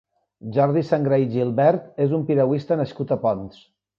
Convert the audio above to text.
Jordi Sangrà i Gilbert és un piragüista nascut a Ponts.